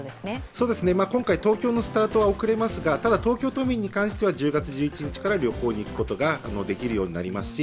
そうですね、今回、東京のスタートは遅れますが東京都民に関しては１０月１１日から旅行に行くことができるようになりますし、